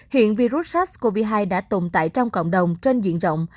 hiện virus sars cov hai đã tồn tại trong cộng đồng trên diện rộng